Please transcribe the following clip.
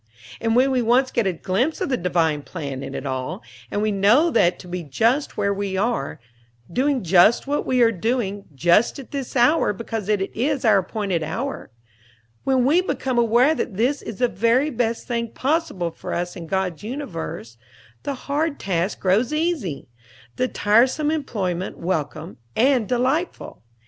And when we once get a glimpse of the Divine Plan in it all, and know that to be just where we are, doing just what we are doing just at this hour because it is our appointed hour, when we become aware that this is the very best thing possible for us in God's universe, the hard task grows easy, the tiresome employment welcome and delightful.